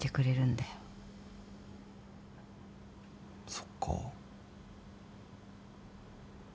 そっかぁ。